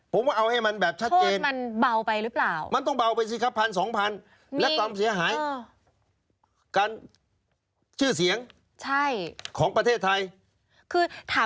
ผมว่าเอาให้มันแบบชัดเจนโทษมันเบาไปหรือเปล่า